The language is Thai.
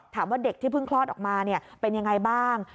ถามว่าเด็กที่เพิ่งคลอดออกมาเป็นอย่างไรบ้าง